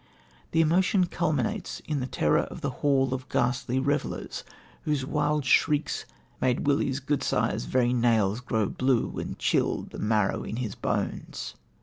The emotion culminates in the terror of the hall of ghastly revellers, whose wild shrieks "made Willie's gudesire's very nails grow blue and chilled the marrow in his banes."